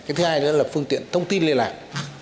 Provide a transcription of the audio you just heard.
cái thứ hai nữa là phương tiện thông tin liên lạc